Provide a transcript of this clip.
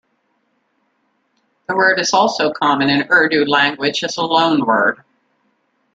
The word is also common in Urdu language as a loanword.